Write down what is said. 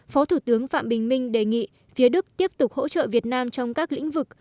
phó thủ tướng phạm bình minh đề nghị phía đức tiếp tục hỗ trợ việt nam trong các lĩnh vực